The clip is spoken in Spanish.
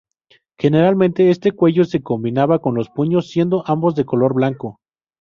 Generalmente, este cuello se combinaba con los puños siendo ambos de color blanco.